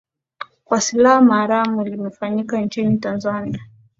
kwa silaha haramu limefanyika nchini tanzania